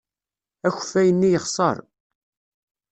Akeffay-nni yexṣer.